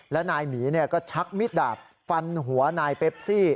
และนายหมีก็ชักมิดดาบฟันหัวนายเปปซี่